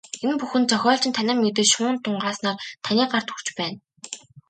Энэ бүхэн зохиолчийн танин мэдэж, шүүн тунгааснаар таны гарт хүрч байна.